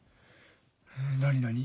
何何？